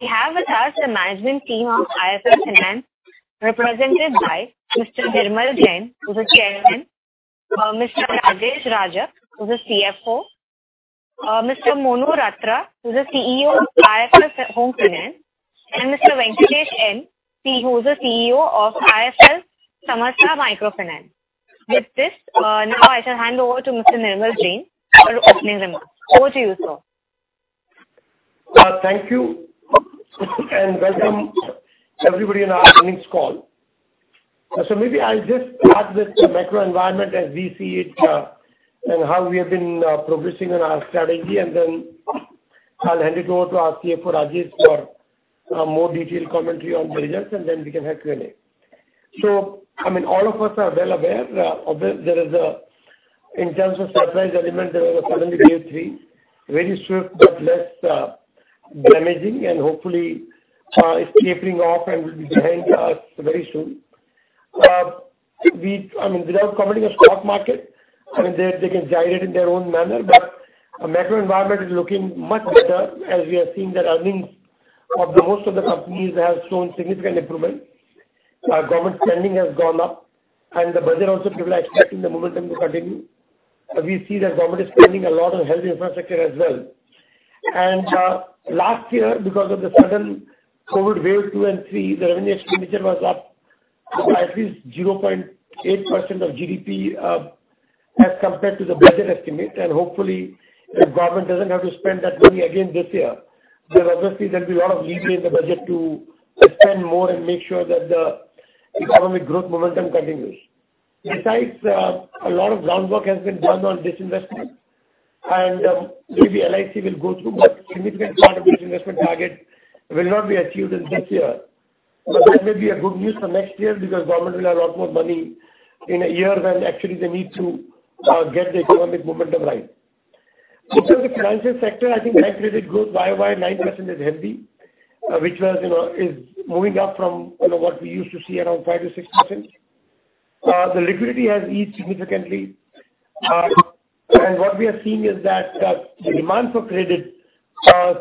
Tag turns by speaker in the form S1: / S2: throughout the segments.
S1: We have with us the management team of IIFL Finance, represented by Mr. Nirmal Jain, who is the Chairman. Mr. Rajesh Rajak, who is the CFO. Mr. Monu Ratra, who is the CEO of IIFL Home Finance. And Mr. Venkatesh N, who is the CEO of IIFL Samasta Finance. With this, now I shall hand over to Mr. Nirmal Jain for opening remarks. Over to you, sir.
S2: Thank you and welcome everybody on our Earnings Call. Maybe I'll just start with the macro environment as we see it, and how we have been progressing on our strategy. Then I'll hand it over to our CFO, Rajesh, for more detailed commentary on the results, and then we can have Q&A. I mean, all of us are well aware. In terms of surprise element, there was a sudden wave three, very swift but less damaging, and hopefully it's tapering off and will be behind us very soon. I mean, without commenting on stock market, I mean, they can guide it in their own manner. Our macro environment is looking much better as we are seeing that earnings of most of the companies have shown significant improvement. Our government spending has gone up, and the budget also people are expecting the momentum to continue. We see that government is spending a lot on health infrastructure as well. Last year, because of the sudden COVID wave two and three, the revenue expenditure was up by at least 0.8% of GDP, as compared to the budget estimate. Hopefully, the government doesn't have to spend that money again this year. Obviously, there'll be a lot of leeway in the budget to spend more and make sure that the economic growth momentum continues. Besides, a lot of groundwork has been done on disinvestment, and maybe LIC will go through, but significant part of disinvestment target will not be achieved in this year. That may be good news for next year because government will have a lot more money in a year when actually they need to get the economic momentum right. In terms of financial sector, I think bank credit growth Y-o-Y 9% is healthy, which was, you know, is moving up from, you know, what we used to see around 5%-6%. The liquidity has eased significantly. And what we are seeing is that the demand for credit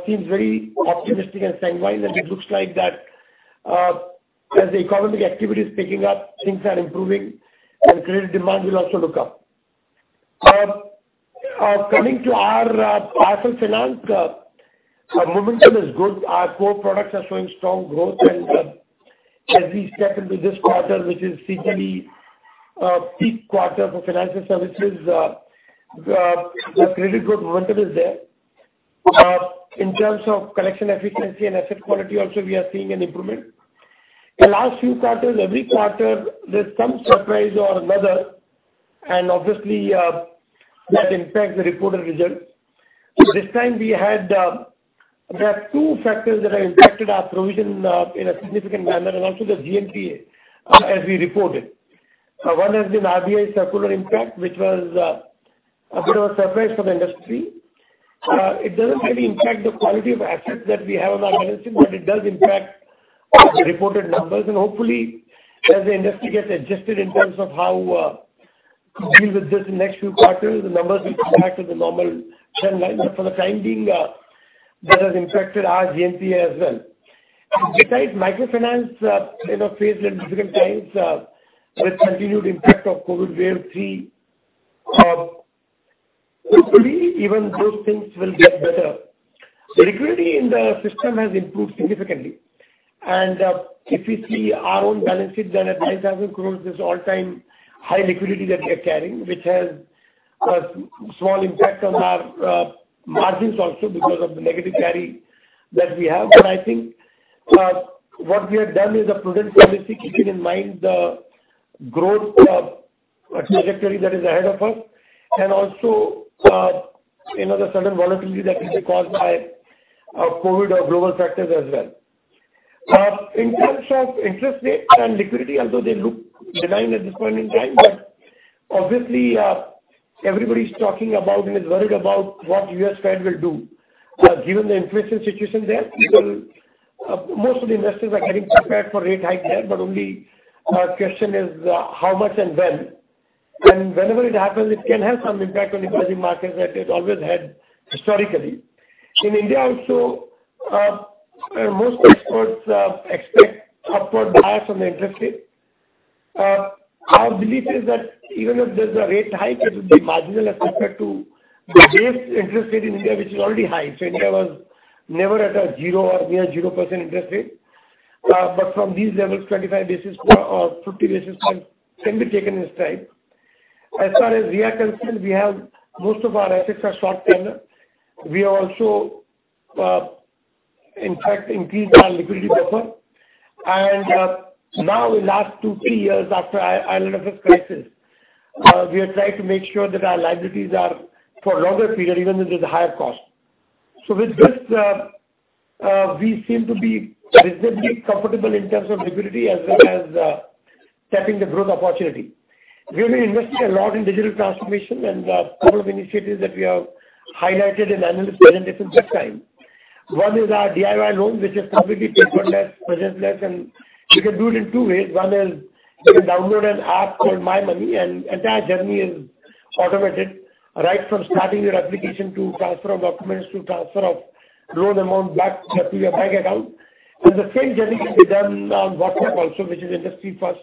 S2: seems very optimistic and sanguine. It looks like that as the economic activity is picking up, things are improving and credit demand will also look up. Coming to our IIFL Finance, our momentum is good. Our core products are showing strong growth. As we step into this quarter, which is seasonally a peak quarter for financial services, the credit growth momentum is there. In terms of collection efficiency and asset quality also, we are seeing an improvement. The last few quarters, every quarter there's some surprise or another, and obviously, that impacts the reported results. This time we have two factors that have impacted our provision in a significant manner and also the GNPA, as we reported. One has been RBI circular impact, which was a bit of a surprise for the industry. It doesn't really impact the quality of assets that we have on our balance sheet, but it does impact the reported numbers. Hopefully, as the industry gets adjusted in terms of how to deal with this in next few quarters, the numbers will come back to the normal channel. But for the time being, that has impacted our GNPA as well. Besides, microfinance, you know, faced little difficult times with continued impact of COVID wave three. Hopefully even those things will get better. The liquidity in the system has improved significantly. If you see our own balance sheet, then at 9,000 crore, this all-time high liquidity that we are carrying, which has a small impact on our margins also because of the negative carry that we have. I think what we have done is a prudent policy keeping in mind the growth trajectory that is ahead of us and also you know the sudden volatility that can be caused by COVID or global factors as well. In terms of interest rate and liquidity, although they look benign at this point in time, but obviously everybody's talking about and is worried about what U.S. Fed will do. Given the inflation situation there, people most of the investors are getting prepared for rate hike there, but only question is how much and when. Whenever it happens, it can have some impact on emerging markets, like it always had historically. In India also most experts expect upward bias on the interest rate. Our belief is that even if there's a rate hike, it will be marginal as compared to the base interest rate in India, which is already high. India was never at a 0% or near 0% interest rate. But from these levels, 25 basis points or 50 basis points can be taken in stride. As far as we are concerned, we have most of our assets are short-term. We have also, in fact, increased our liquidity buffer. Now in last 2-3 years after IL&FS crisis, we are trying to make sure that our liabilities are for longer period, even if there's a higher cost. With this, we seem to be reasonably comfortable in terms of liquidity as well as tapping the growth opportunity. We have been investing a lot in digital transformation and couple of initiatives that we have highlighted in analyst presentation that time. One is our DIY loan, which is completely paperless, presence-less, and you can do it in two ways. One is you can download an app called MyMoney, and entire journey is automated right from starting your application to transfer of documents to transfer of loan amount back to your bank account. The same journey can be done on WhatsApp also, which is industry first.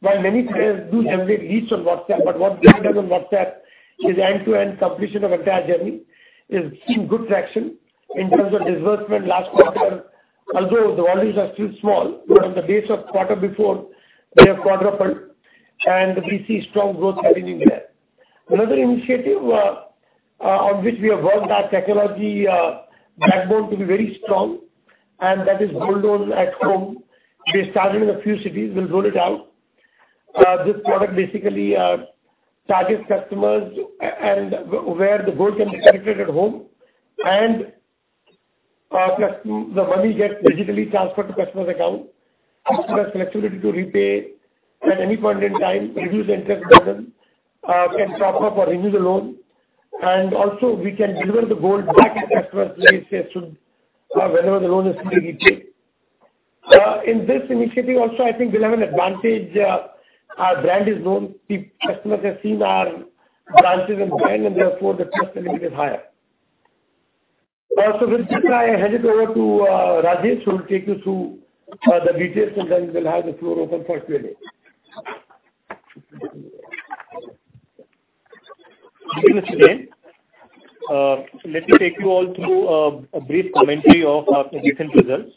S2: While many players do generate leads on WhatsApp, but what we've done on WhatsApp is end-to-end completion of entire journey is seeing good traction in terms of disbursement last quarter. Although the volumes are still small, but on the basis of quarter before, they have quadrupled and we see strong growth continuing there. Another initiative on which we have worked our technology backbone to be very strong and that is gold loan at home. We started in a few cities. We'll roll it out. This product basically charges customers and where the gold can be collected at home and the money gets digitally transferred to customer's account. Customer has flexibility to repay at any point in time, reduce the interest burden, can top up or renew the loan. Also we can deliver the gold back at customer's place whenever the loan is fully repaid. In this initiative also, I think we'll have an advantage. Our brand is known. The customers have seen our branches and brand and therefore the trust element is higher. Also, with that, I hand it over to Rajesh, who will take you through the details and then we'll have the floor open for Q&A.
S3: Thank you, Mr. Jain. Let me take you all through a brief commentary of our recent results.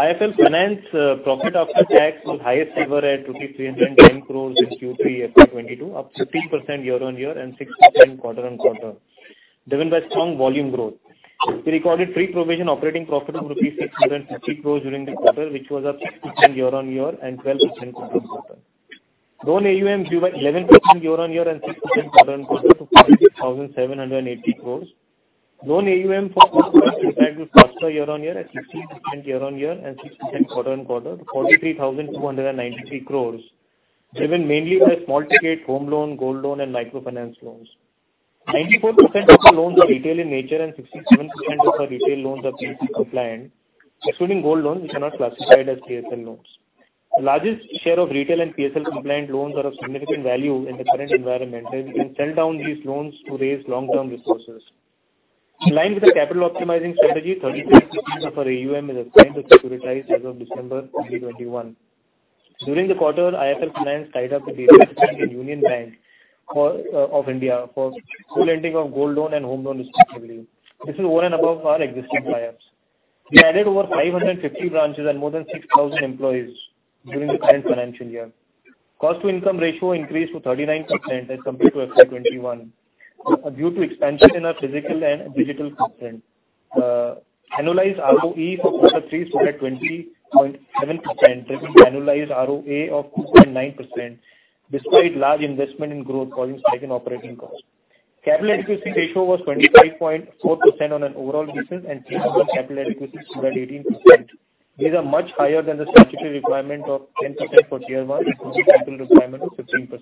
S3: IIFL Finance profit after tax was highest ever at INR 310 crore in Q3 FY 2022, up 15% year-on-year and 6% quarter-on-quarter, driven by strong volume growth. We recorded pre-provision operating profit of rupees 650 crore during the quarter, which was up 6% year-on-year and 12% quarter-on-quarter. Loan AUM grew by 11% year-on-year and 6% quarter-on-quarter to 46,780 crore. Loan AUM for home loans in fact was faster year-on-year, at 16% year-on-year and 6% quarter-on-quarter to 43,293 crores, driven mainly by small ticket home loan, gold loan, and microfinance loans. 94% of the loans are retail in nature and 67% of our retail loans are PSL compliant, excluding gold loans which are not classified as PSL loans. The largest share of retail and PSL compliant loans are of significant value in the current environment and we can sell down these loans to raise long-term resources. In line with the capital optimizing strategy, 36% of our AUM is assigned to securitize as of December 2021. During the quarter, IIFL Finance tied up with HDFC and Union Bank of India for funding of gold loan and home loan respectively. This is over and above our existing tie-ups. We added over 550 branches and more than 6,000 employees during the current financial year. Cost to income ratio increased to 39% as compared to FY 2021 due to expansion in our physical and digital footprint. Annualized ROE for quarter three stood at 20.7%, driven annualized ROA of 2.9% despite large investment in growth causing spike in operating costs. Capital adequacy ratio was 25.4% on an overall basis and Tier 1 capital adequacy stood at 18%. These are much higher than the statutory requirement of 10% for Tier 1 and total capital requirement of 15%.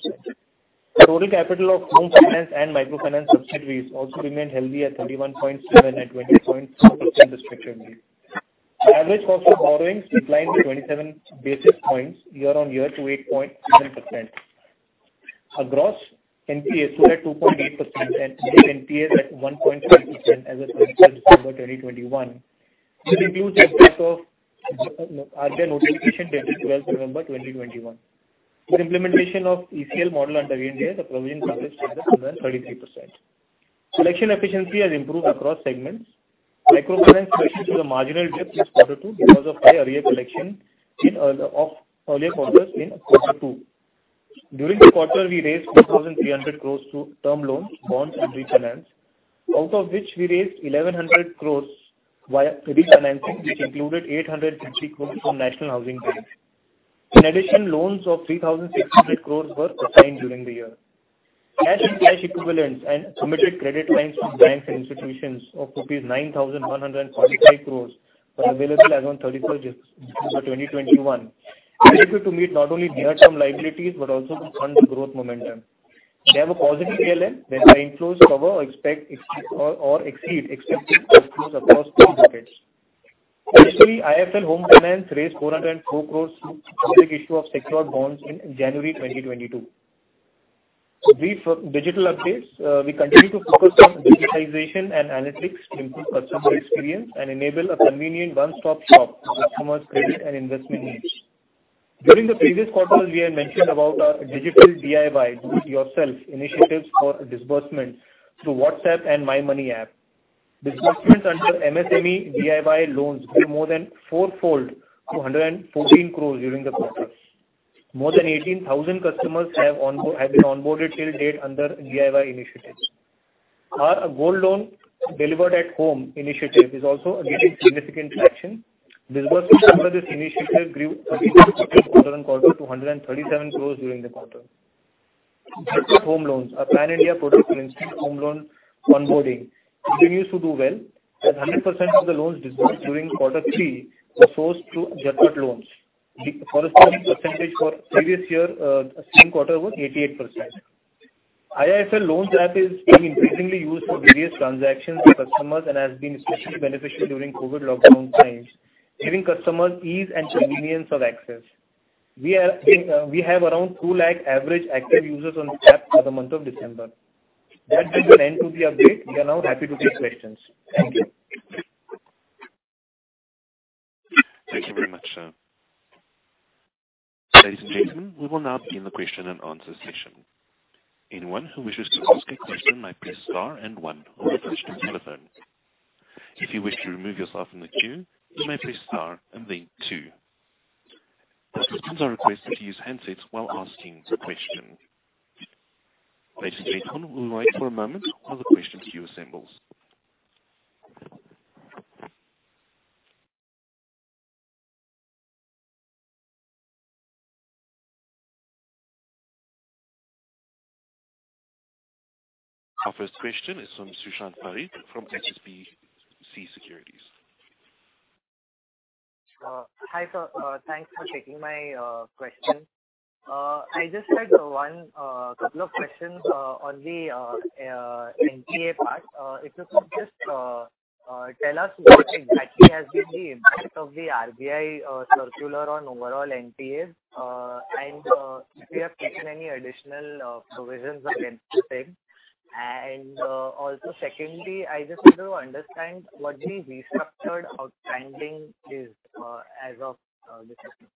S3: Total capital of home finance and microfinance subsidiaries also remained healthy at 31.7% and 20.4% respectively. Average cost of borrowings declined to 27 basis points year on year to 8.7%. Our gross NPAs stood at 2.8% and net NPAs at 1.5% as of 31st December 2021. This includes the impact of RBI notification dated 12th November 2021. With implementation of ECL model under Ind AS, the provision coverage stood at 133%. Collection efficiency has improved across segments. Microfinance collections saw a marginal dip in quarter two because of high area collection in Q1 of earlier quarters in quarter two. During the quarter, we raised 4,300 crores through term loans, bonds, and refinance. Out of which we raised 1,100 crores via refinancing, which included 850 crores from National Housing Bank. In addition, loans of 3,600 crores were sanctioned during the year. Cash and cash equivalents and committed credit lines from banks and institutions of rupees 9,145 crores were available as on 31st December 2021, adequate to meet not only near-term liabilities but also to fund growth momentum. We have a positive ALM, whereby inflows cover or exceed expected outflows across all buckets. Lastly, IIFL Home Finance raised 404 crores through public issue of secured bonds in January 2022. A brief on digital updates. We continue to focus on digitalization and analytics to improve customer experience and enable a convenient one-stop shop for customers' credit and investment needs. During the previous quarter, we had mentioned about our digital DIY, do it yourself, initiatives for disbursements through WhatsApp and MyMoney app. Disbursements under MSME DIY loans grew more than four-fold to 114 crores during the quarter. More than 18,000 customers have been onboarded till date under DIY initiatives. Our gold loan delivered at home initiative is also gaining significant traction. Disbursements under this initiative grew 30% quarter-on-quarter to 137 crore during the quarter. Jhatpat home loans, our pan-India product for instant home loan onboarding, continues to do well, as 100% of the loans disbursed during quarter three were sourced through Jhatpat loans. The corresponding percentage for previous year, same quarter was 88%. IIFL Loans app is being increasingly used for various transactions by customers and has been especially beneficial during COVID lockdown times.
S2: Giving customers ease and convenience of access. We have around 200,000 average active users on the app for the month of December. That brings an end to the update. We are now happy to take questions. Thank you.
S4: Thank you very much, sir. Ladies and gentlemen, we will now begin the question and answer session. Anyone who wishes to ask a question might press star and one on your touchtone telephone. If you wish to remove yourself from the queue, you may Press Star and then two. Participants are requested to use handsets while asking the question. Ladies and gentlemen, we'll wait for a moment while the question queue assembles. Our first question is from Sushant Pari from HSBC Securities.
S5: Hi, sir. Thanks for taking my question. I just had a couple of questions on the NPA part. If you could just tell us what exactly has been the impact of the RBI circular on overall NPAs? If you have taken any additional provisions against the same? Also secondly, I just want to understand what the restructured outstanding is as of December.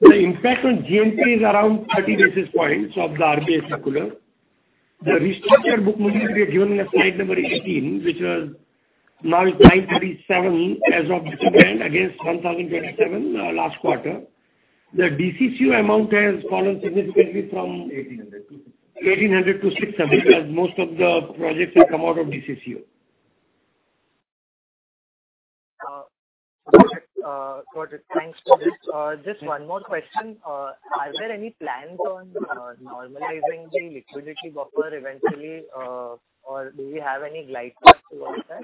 S2: The impact on GNPA is around 30 basis points of the RBI circular. The restructured book only we have given in the slide number 18, which was 9.37 as of December against 1,027 last quarter. The DCCO amount has fallen significantly from
S4: 1800.
S2: 1800-600, as most of the projects have come out of DCCO.
S5: Got it. Thanks for this. Just one more question. Are there any plans on normalizing the liquidity buffer eventually, or do you have any glide path towards that?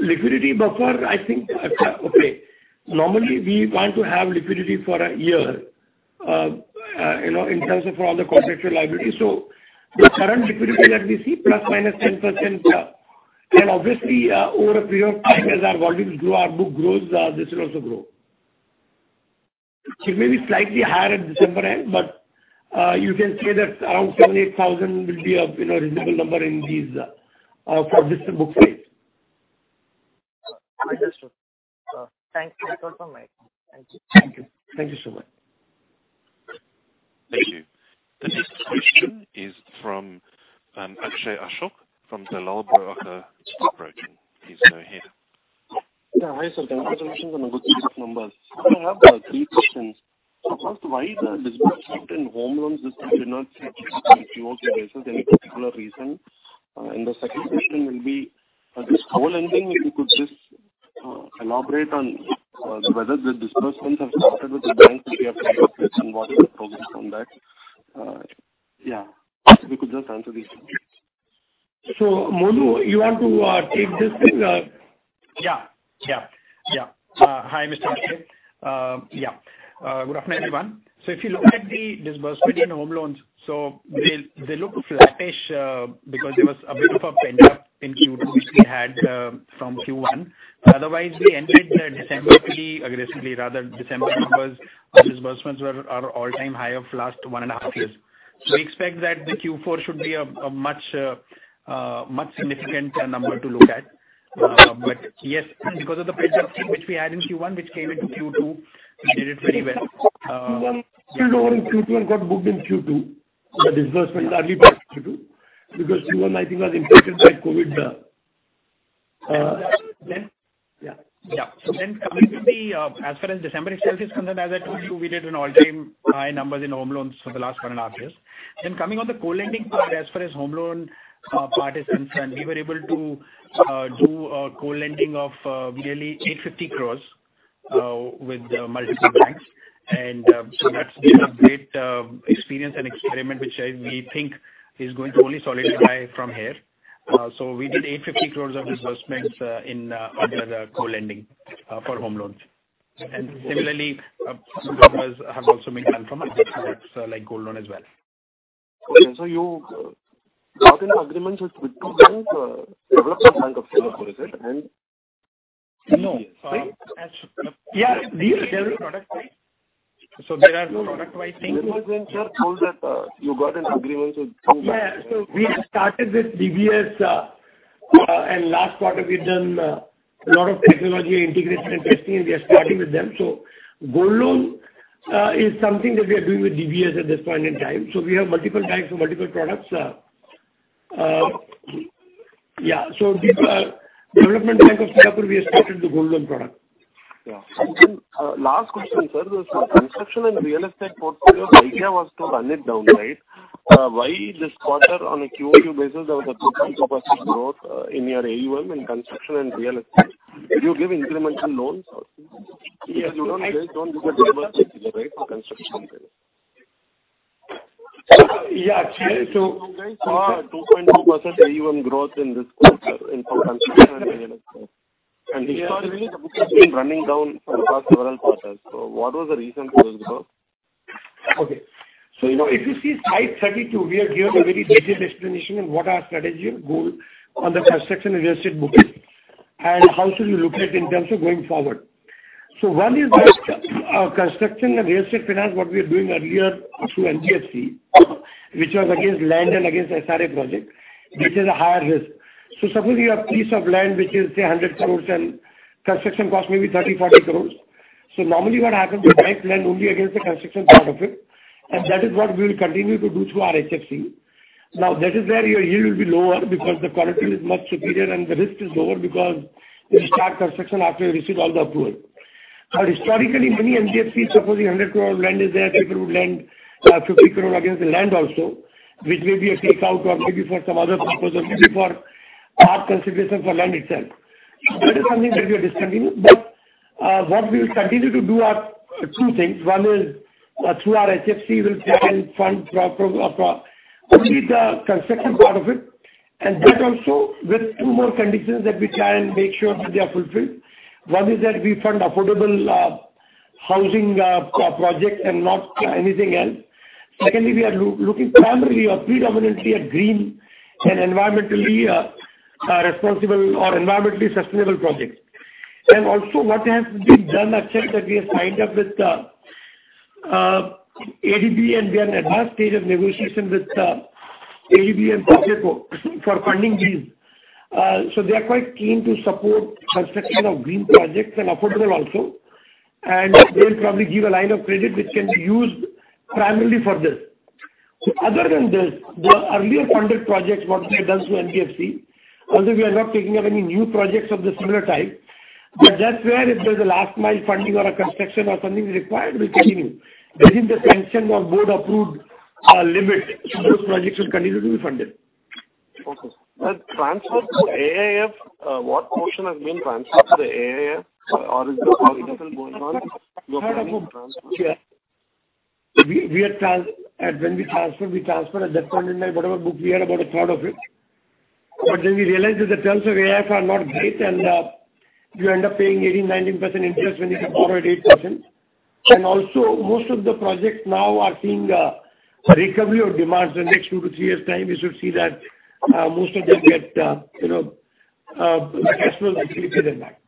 S2: Liquidity buffer. Normally, we want to have liquidity for a year, you know, in terms of all the contractual liabilities. The current liquidity that we see ±10%. Obviously, over a period of time, as our volumes grow, our book grows, this will also grow. It may be slightly higher at December end, but you can say that around 78,000 will be a, you know, reasonable number in these, for this book size.
S5: Understood. Thank you. That's all from my end. Thank you.
S2: Thank you. Thank you so much.
S4: Thank you. The next question is from Akshay Ashok from Dalal & Broacha Stock Broking. Please go ahead.
S6: Yeah. Hi, sir. Congratulations on a good set of numbers. I have three questions. First, why the disbursement in home loans this time did not catch up on QOQ basis, any particular reason? And the second question will be, this co-lending, if you could just elaborate on whether the disbursements have started with the banks if you have tied up with and what is the progress on that? If you could just answer these two.
S2: Monu, you want to take this thing?
S7: Hi, Mr. Akshay Ashok. Good afternoon, everyone. If you look at the disbursement in home loans, they look flattish because there was a bit of a pent-up in Q2 which we had from Q1. Otherwise, we entered December pretty aggressively. December numbers, our disbursements were our all-time high of last one and a half years. We expect that the Q4 should be a much significant number to look at. But yes, because of the pent-up which we had in Q1, which came into Q2, we did it very well.
S2: Q1 spilled over in Q2 and got booked in Q2. The disbursements are booked in Q2. Because Q1, I think, was impacted by COVID.
S7: Yeah, coming to December itself, as I told you, we did all-time high numbers in home loans for the last one and a half years. Coming on the co-lending part, as far as home loan part is concerned, we were able to do a co-lending of nearly 850 crore with multiple banks. That's been a great experience and experiment which we think is going to only solidify from here. We did 850 crore of disbursements in under the co-lending for home loans. Similarly, some borrowings have also been done from other products like gold loan as well.
S6: Okay. You got an agreement with two banks. Development Bank of Singapore, is it? And-
S7: No. Sorry? Yeah. These, they are product-wise. There are product-wise things.
S6: Remember when sir told that you got an agreement with two banks.
S2: Yeah. We have started with DBS, and last quarter we've done a lot of technology integration and testing, and we are starting with them. Gold loan is something that we are doing with DBS at this point in time. We have multiple banks for multiple products. Yeah. With Development Bank of Singapore, we are starting the gold loan product.
S6: Yeah. Last question, sir. The construction and real estate portfolio, the idea was to run it down, right? Why this quarter on a QOQ basis there was a 2.2% growth in your AUM in construction and real estate? Did you give incremental loans or? Because you don't, they don't do the disbursements, right, for construction loans.
S2: Yeah. Actually,
S6: 2.2% AUM growth in this quarter in construction and real estate. Historically the book has been running down for the past several quarters. What was the reason for this growth?
S2: Okay. You know, if you see slide 32, we have given a very detailed explanation on what our strategy and goal on the construction and real estate booking, and how should we look at it in terms of going forward. One is that, construction and real estate finance, what we are doing earlier through HDFC, which was against land and against SRA project, which is a higher risk. Suppose you have a piece of land which is say 100 crore and construction cost maybe 30-40 crore. Normally what happens, we finance land only against the construction part of it, and that is what we will continue to do through our HFC. Now, that is where your yield will be lower because the quality is much superior and the risk is lower because you start construction after you receive all the approval. Historically, many HFCs, supposing 100 crore land is there, people would lend 50 crore against the land also, which may be a take out or maybe for some other purpose, or maybe for our consideration for land itself. That is something that we are discontinuing. What we will continue to do are two things. One is through our HFC, we'll try and fund only the construction part of it, and that also with two more conditions that we try and make sure that they are fulfilled. One is that we fund affordable housing project and not anything else. Secondly, we are looking primarily or predominantly at green and environmentally responsible or environmentally sustainable projects. Also, what has been done is that we have signed up with ADB, and we are in advanced stage of negotiation with ADB and Proparco for funding these. They are quite keen to support construction of green projects and affordable also, and they'll probably give a line of credit which can be used primarily for this. Other than this, the earlier funded projects, what we have done through HDFC, although we are not taking up any new projects of the similar type, but that's where if there's a last mile funding or a construction or something is required, we continue. Within the sanction or board approved limit, those projects will continue to be funded.
S6: Okay. Transfer to AIF, what portion has been transferred to the AIF or is it all internal going on?
S2: When we transferred at that point in time whatever book we had about a third of it. We realized that the terms of AIF are not great and you end up paying 18%-19% interest when you can borrow at 8%. Most of the projects now are seeing a recovery or demands. The next 2-3 years time, you should see that most of them get, you know, the cash flows are actually better than that.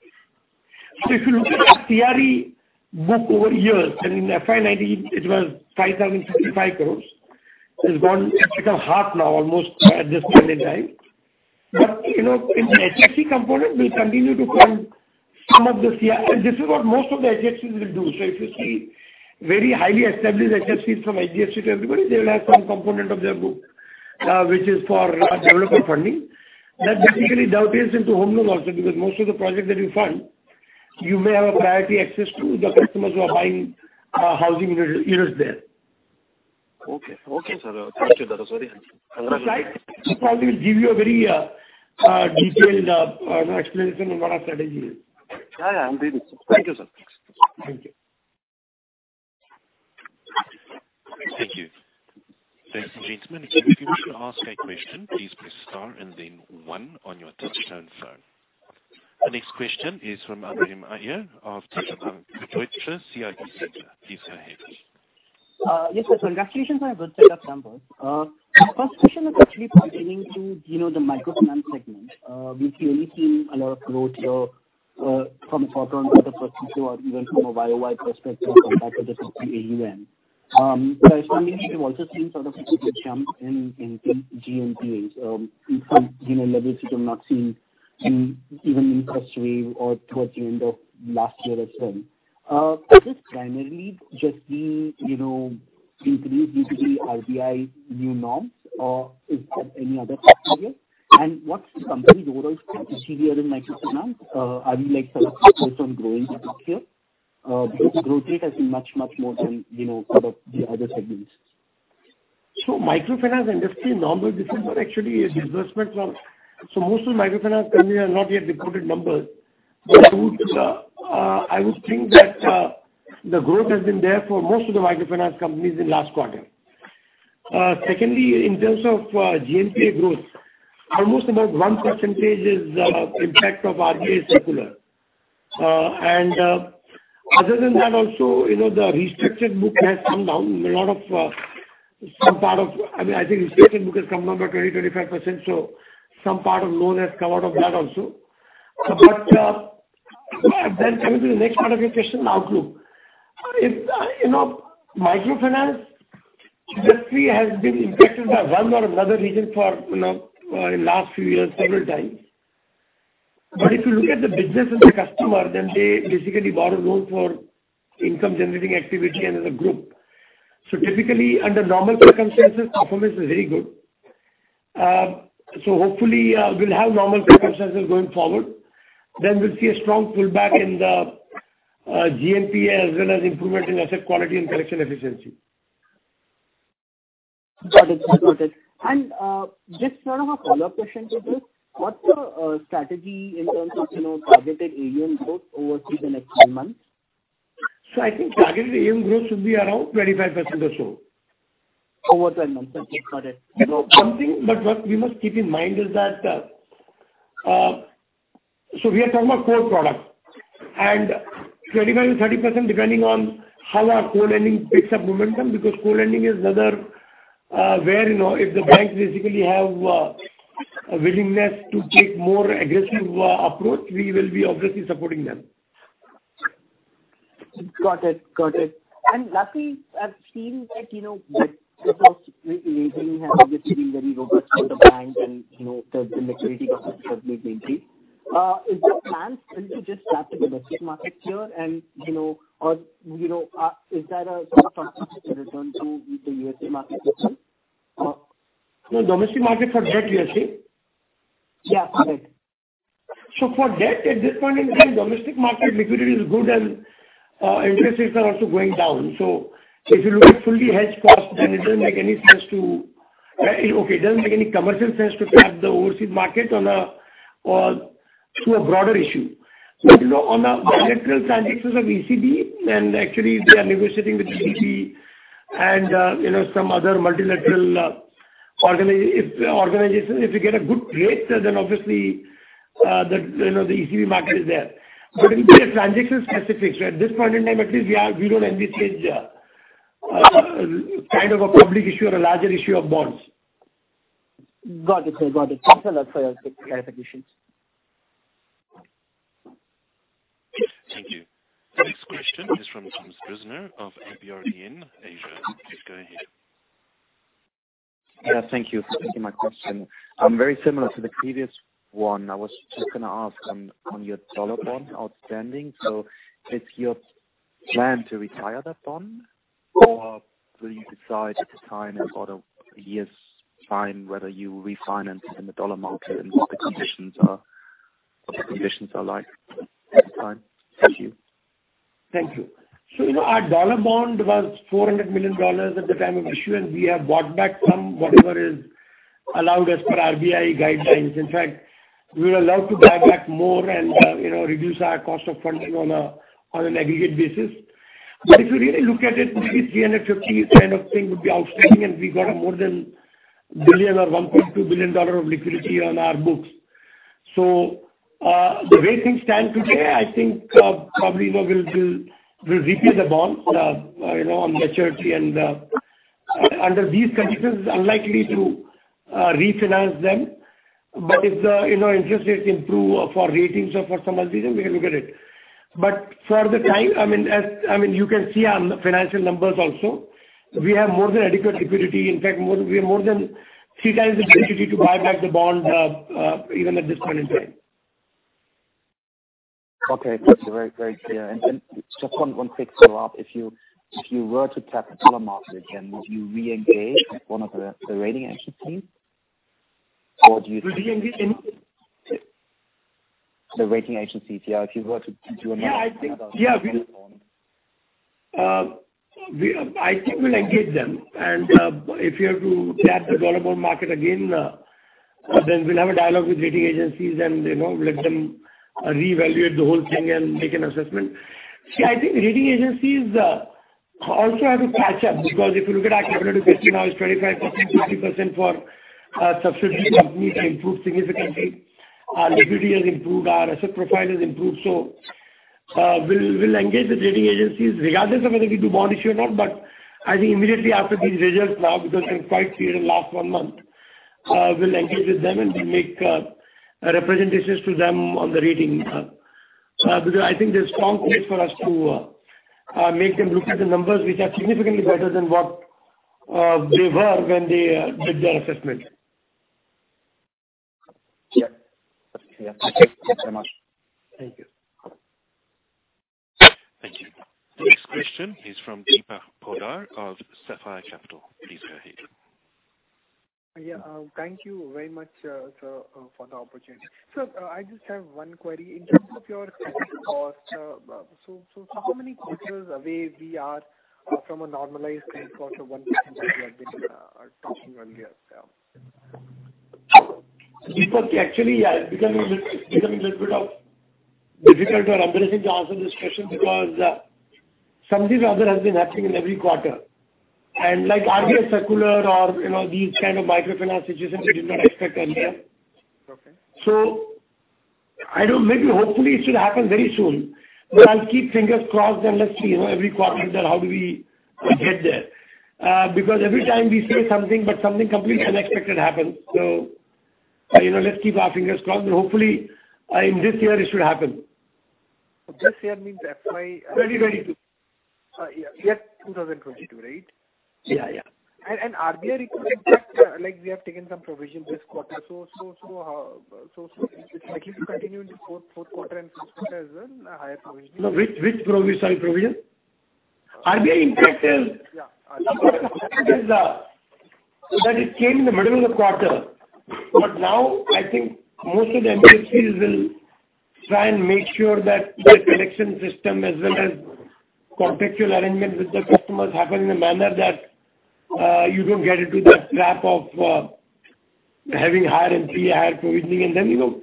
S2: If you look at the CRE book over years and in FY 2019 it was 5,055 crores, it has gone, it's become half now almost at this point in time. You know, in the HFC component we'll continue to fund some of the CR. This is what most of the HFCs will do. If you see very highly established HFCs from HDFC to everybody, they will have some component of their book, which is for developer funding. That basically dovetails into home loan also because most of the projects that you fund, you may have a priority access to the customers who are buying housing units there.
S6: Okay. Okay, sir. Thank you. That was very helpful.
S2: The slide probably will give you a very, detailed, you know, explanation on what our strategy is.
S6: Yeah, yeah. I'm doing. Thank you, sir.
S2: Thanks. Thank you.
S4: The next question is from Abraham Iyer of Deutsche Bank. Please go ahead.
S8: Yes, sir. Congratulations on a good set of numbers. My first question is actually pertaining to, you know, the microfinance segment. We've clearly seen a lot of growth from a quarter-on-quarter perspective or even from a YOY perspective on top of the 60 AUM. But I was wondering if you've also seen sort of a jump in GNPA in some, you know, levels you have not seen in, even in first wave or towards the end of last year as well. Could this primarily just be, you know, increase due to the RBI new norms or is there any other factor here? What's the company's overall strategy here in microfinance? Are you like focused on growing the book here? Because the growth rate has been much more than, you know, sort of the other segments.
S2: Most of microfinance companies have not yet reported numbers. I would think that the growth has been there for most of the microfinance companies in last quarter. Secondly, in terms of GNPA growth, almost about 1% is impact of RBI circular. Other than that also, you know, the restructured book has come down. I mean, I think restructured book has come down by 20-25%, so some part of loan has come out of that also. Then coming to the next part of your question, outlook. You know, microfinance industry has been impacted by one or another reason in last few years several times. If you look at the business of the customer, then they basically borrow loan for income generating activity and as a group. Typically, under normal circumstances, performance is very good. Hopefully, we'll have normal circumstances going forward. We'll see a strong pullback in the GNPA as well as improvement in asset quality and collection efficiency.
S8: Got it. Just sort of a follow-up question to this. What's the strategy in terms of, you know, targeted AUM growth over say the next 10 months?
S2: I think targeted AUM growth should be around 25% or so.
S8: Over 12 months. Got it.
S2: One thing we must keep in mind is that we are talking about core product and 25%-30% depending on how our core lending picks up momentum because core lending is rather where you know if the banks basically have a willingness to take more aggressive approach we will be obviously supporting them.
S8: Got it. Lastly, I've seen that, you know, this has obviously been very robust for the bank and, you know, the liquidity position has been maintained. Is there plans then to just tap the domestic market here and, you know, or, you know, is there a sort of strategic return to the U.S. market?
S2: No, domestic market for debt you're saying?
S8: Yeah, correct.
S2: For debt, at this point in time, domestic market liquidity is good and interest rates are also going down. If you look at fully hedged cost, then it doesn't make any commercial sense to tap the overseas market on a broader issue. You know, on bilateral transactions or ECB, and actually we are negotiating with ADB and you know, some other multilateral organizations. If we get a good rate, then obviously the ECB market is there. It will be transaction-specific. At this point in time, at least we don't envisage kind of a public issue or a larger issue of bonds.
S8: Got it, sir. Got it. Thanks a lot for your clarifications.
S4: Thank you. Next question is from Thomas Griesner of abrdn Asia. Please go ahead.
S9: Yeah, thank you for taking my question. Very similar to the previous one. I was just gonna ask on your dollar bond outstanding. So is your plan to retire that bond or will you decide at the time or in a year's time whether you refinance in the dollar market and what the conditions are like at the time? Thank you.
S2: Thank you. You know, our dollar bond was $400 million at the time of issuance. We have bought back some whatever is allowed as per RBI guidelines. In fact, we are allowed to buy back more and, you know, reduce our cost of funding on an aggregate basis. If you really look at it, maybe 350 kind of thing would be outstanding, and we got more than a billion or $1.2 billion of liquidity on our books. The way things stand today, I think, probably, you know, we'll repay the bond, you know, on maturity. Under these conditions, it's unlikely to refinance them. If the, you know, interest rates improve or for ratings or for some other reason, we will look at it. For the time, I mean, you can see on the financial numbers also, we have more than adequate liquidity. In fact, we have more than three times the liquidity to buy back the bond, even at this point in time.
S9: Okay. That's very clear. Just one quick follow-up. If you were to tap the dollar market again, would you re-engage with one of the rating agencies or do you?
S2: Would we engage any?
S9: The rating agencies. Yeah. If you were to do another
S2: I think we'll engage them. If we are to tap the dollar bond market again, then we'll have a dialogue with rating agencies and, you know, let them reevaluate the whole thing and make an assessment. See, I think rating agencies also have to catch up because if you look at our capital to risk now is 25%, 30% for subsidiary companies have improved significantly. Our liquidity has improved. Our asset profile has improved. We'll engage the rating agencies regardless of whether we do bond issue or not, but I think immediately after these results now, because they're quite clear in the last one month, we'll engage with them, and we make representations to them on the rating. Because I think there's strong case for us to make them look at the numbers which are significantly better than what they were when they did their assessment.
S9: Yeah. Yeah. Thank you so much.
S2: Thank you.
S4: Thank you. The next question is from Deepak Poddar of Sapphire Capital. Please go ahead.
S10: Yeah. Thank you very much, sir, for the opportunity. I just have one query. In terms of your cost, so how many quarters away we are from a normalized cost of 1% that you had been talking earlier? Yeah.
S2: Deepak, actually, yeah, it's becoming a little bit difficult or embarrassing to answer this question because something or other has been happening in every quarter. Like RBI circular or, you know, these kind of microfinance situations we did not expect earlier.
S11: Okay.
S2: Maybe hopefully it should happen very soon. I'll keep fingers crossed, and let's see, you know, every quarter that how do we get there. Because every time we say something, but something completely unexpected happens. You know, let's keep our fingers crossed and hopefully, in this year it should happen.
S11: This year means FY.
S2: 2022.
S10: Yeah. Year 2022, right?
S2: Yeah, yeah.
S10: RBI requiring, like, we have taken some provisions this quarter, so it's likely to continue into fourth quarter and first quarter as well, higher provision.
S2: No, which provision? RBI, in fact,
S10: Yeah.
S2: That is, that it came in the middle of the quarter. Now I think most of the NBFCs will try and make sure that their collection system as well as contractual arrangements with the customers happen in a manner that, you don't get into that trap of, having higher NPAs, higher provisioning, and then, you know,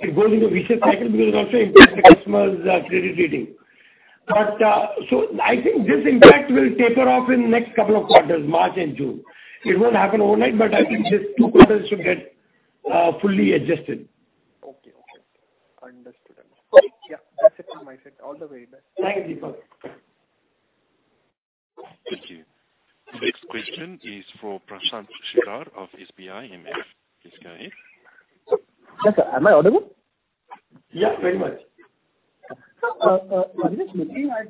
S2: it goes into vicious cycle because it also impacts the customer's credit rating. I think this impact will taper off in next couple of quarters, March and June. It won't happen overnight, but I think these two quarters should get fully adjusted.
S10: Okay. Understood.
S2: Right.
S10: Yeah. That's it from my side. All the very best.
S2: Thank you.
S10: Okay.
S4: Thank you. The next question is for Prashant Shelar of SBIMF. Please go ahead.
S12: Yes, sir. Am I audible?
S2: Yeah. Very much.
S12: Just looking at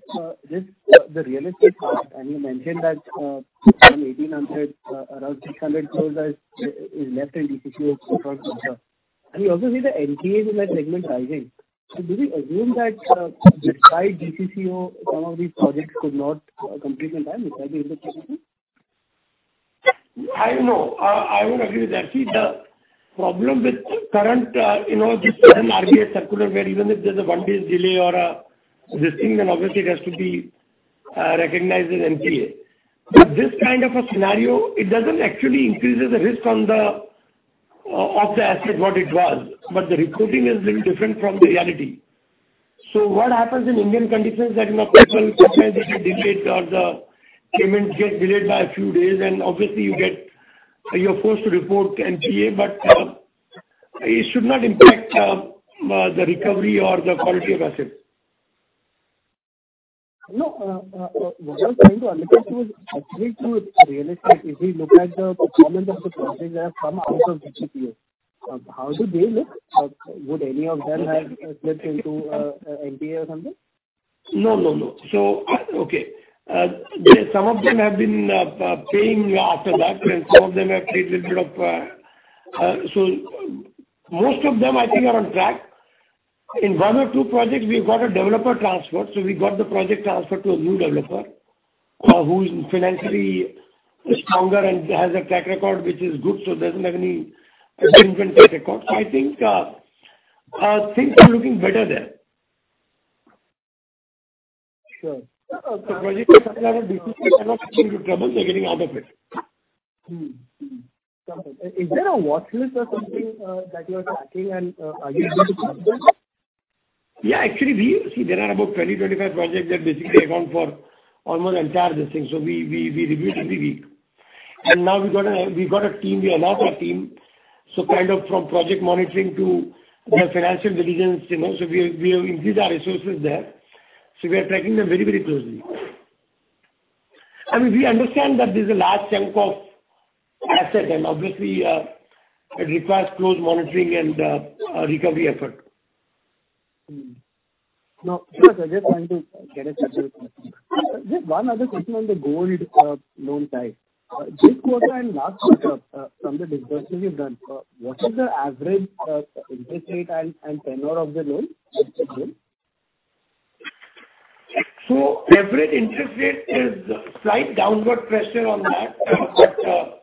S12: just the real estate part, and you mentioned that in 1,800 around 600 crore is left in DCCO so far. We also see the NPAs in that segment rising. Do we assume that despite DCCO, some of these projects could not complete in time? Is that the interpretation?
S2: I don't know. I would agree with that. See, the problem with current, you know, this current RBI circular, where even if there's a 1 day's delay or a listing, then obviously it has to be recognized as NPA. This kind of a scenario, it doesn't actually increases the risk on the of the asset what it was, but the reporting is little different from the reality. What happens in Indian conditions that, you know, people sometimes they get delayed or the payments get delayed by a few days and obviously you're forced to report NPA but it should not impact the recovery or the quality of assets.
S12: No, what I was trying to understand is actually to real estate, if we look at the performance of the projects that have come out of DCCO, how do they look? Would any of them have slipped into NPA or something?
S2: No, no. Okay. Some of them have been paying after that and some of them have paid a little bit of. Most of them I think are on track. In one or two projects we've got a developer transfer. We got the project transferred to a new developer who is financially stronger and has a track record which is good, so doesn't have any delinquent track record. I think things are looking better there.
S8: Sure.
S2: The projects which are under DCCO are not into trouble, they're getting out of it.
S12: Mm-hmm. Mm-hmm. Okay. Is there a watch list or something that you are tracking and are you able to track them?
S2: Yeah, actually. See, there are about 20-25 projects that basically account for almost entire this thing. We review it every week. Now we got a team. We enhanced our team, so kind of from project monitoring to financial diligence, you know, so we increased our resources there. We are tracking them very, very closely. I mean, we understand that this is a large chunk of asset and obviously it requires close monitoring and a recovery effort.
S12: Mm-hmm. No, I was just trying to get a sense of it. Just one other question on the gold loan side. This quarter and last quarter, from the disbursements you've done, what is the average interest rate and tenure of the loan distribution?
S2: Average interest rate is slight downward pressure on that.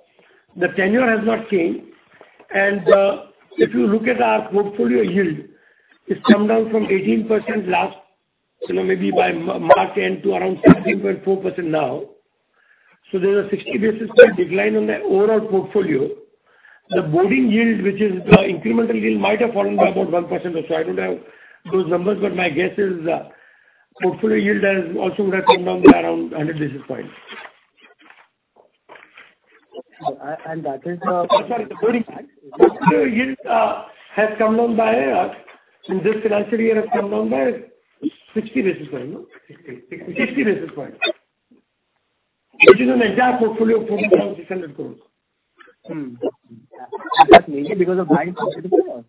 S2: The tenure has not changed. If you look at our portfolio yield, it's come down from 18% last, you know, maybe by March end to around 17.4% now. There's a 60 basis point decline on the overall portfolio. The onboarding yield, which is the incremental yield, might have fallen by about 1% or so. I don't have those numbers, but my guess is, portfolio yield has also would have come down by around 100 basis points.
S12: Okay. That is,
S2: I'm sorry. The blended yield has come down by 60 basis points in this financial year, no?
S12: Sixty.
S2: 60 basis points, which is an entire portfolio of INR 4,600 crore.
S12: Is that major because of bank competition or?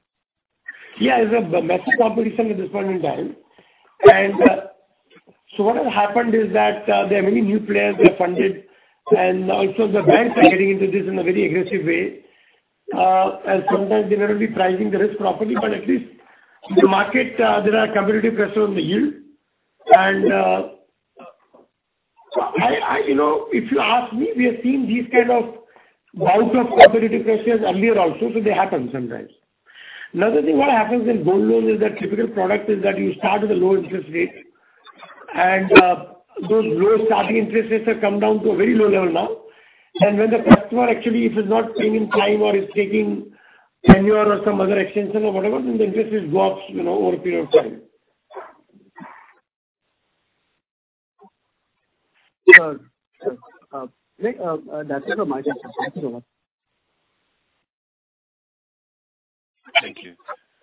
S2: Yeah. There's a massive competition at this point in time. What has happened is that there are many new players who have funded and also the banks are getting into this in a very aggressive way. Sometimes they may not be pricing the risk properly, but at least in the market, there are competitive pressure on the yield. You know, if you ask me, we have seen these kind of bout of competitive pressures earlier also. They happen sometimes. Another thing, what happens in gold loans is that typical product is that you start with a low interest rate, and those low starting interest rates have come down to a very low level now. When the customer actually, if he's not paying on time or he's taking tenure or some other extension or whatever, then the interest rate goes, you know, over a period of time.
S12: Sure. Great. That's it from my side. Thank you so much.
S4: Thank you.